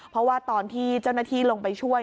เพราะว่าตอนที่เจ้าหน้าที่ลงไปช่วย